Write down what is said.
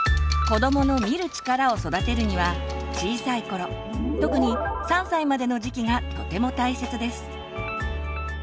子どもの「見る力」を育てるには小さい頃特に３歳までの時期がとても大切です。